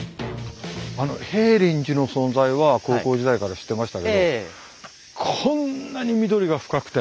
平林寺の存在は高校時代から知ってましたけどこんなに緑が深くて。